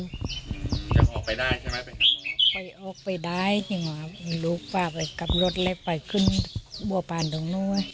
ออกไปได้ใช่ไหมไปออกไปได้จริงหวะลุกไปกลับรถเลยไปขึ้นบัวพันธุ์ตรงนู้น